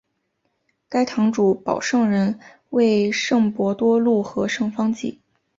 该堂主保圣人为圣伯多禄和圣方济。